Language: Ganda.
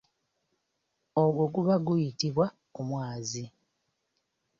Ogwo guba guyitibwa omwazi.